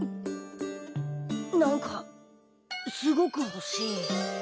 何かすごくほしい。